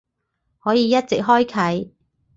可以一直開啟